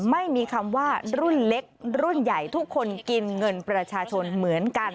ไม่มีคำว่ารุ่นเล็กรุ่นใหญ่ทุกคนกินเงินประชาชนเหมือนกัน